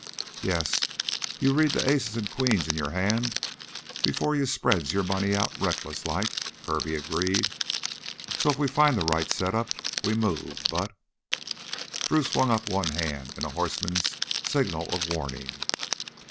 "Yes, you read the aces an' queens in your hand 'fore you spreads your money out recklesslike," Kirby agreed. "So, if we find the right setup, we move, but " Drew swung up one hand in the horseman's signal of warning.